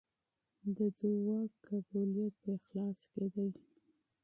د دعا قبولیت په اخلاص کې دی.